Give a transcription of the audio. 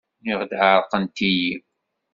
Nniɣ-d ɛerqent-iyi.